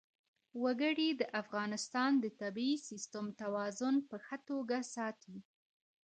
وګړي د افغانستان د طبعي سیسټم توازن په ښه توګه ساتي.